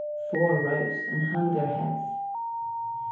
Four rose, and hung their heads.